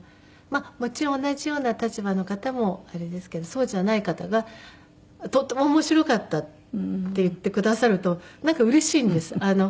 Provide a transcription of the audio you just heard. もちろん同じような立場の方もあれですけどそうじゃない方がとっても面白かったって言ってくださるとなんかうれしいんです。